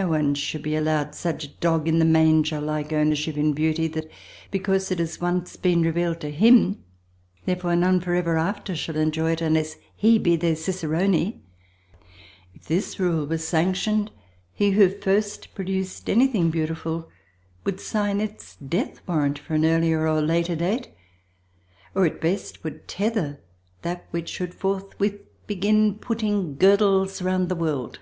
No one should be allowed such dog in the manger like ownership in beauty that because it has once been revealed to him therefore none for ever after shall enjoy it unless he be their cicerone. If this rule were sanctioned, he who first produced anything beautiful would sign its death warrant for an earlier or later date, or at best would tether that which should forthwith begin putting girdles round the world.